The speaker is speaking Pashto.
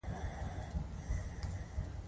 د ام ونې یخنۍ ته مقاومت لري؟